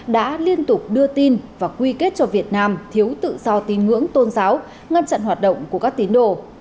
đã liên tục đưa tin và quy kết cho việt nam thiếu tự do tín ngưỡng tôn giáo ngăn chặn hoạt động của các tín đồ